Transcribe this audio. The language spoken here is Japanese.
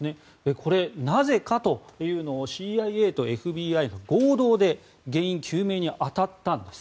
これ、なぜかというのをＣＩＡとＦＢＩが合同で原因究明に当たったんです。